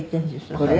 これ？